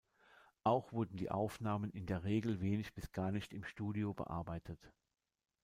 Auch wurden die Aufnahmen in der Regel wenig bis gar nicht im Studio bearbeitet.